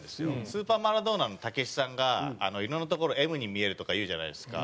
スーパーマラドーナの武智さんが「いろんな所Ｍに見える」とか言うじゃないですか。